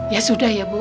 ya sudah ya bu